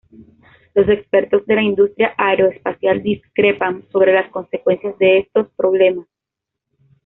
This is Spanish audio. Los expertos de la industria aeroespacial discrepan sobre las consecuencias de estos problemas.